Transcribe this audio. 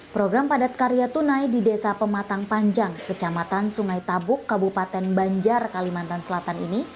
program padat karya tunai di desa pematang panjang kecamatan sungai tabuk kabupaten banjar kalimantan selatan ini